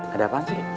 ada apaan sih